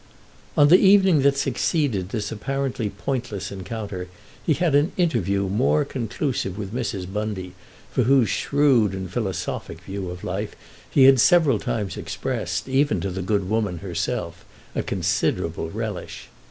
ON the evening that succeeded this apparently pointless encounter he had an interview more conclusive with Mrs. Bundy, for whose shrewd and philosophic view of life he had several times expressed, even to the good woman herself, a considerable relish.